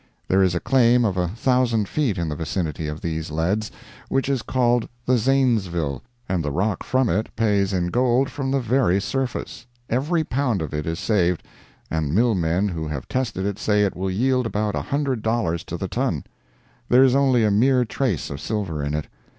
There is a claim of a thousand feet in the vicinity of these leads which is called the Zanesville, and the rock from it pays in gold from the very surface; every pound of it is saved, and mill men who have tested it say it will yield about a hundred dollars to the ton; there is only a mere trace of silver in it.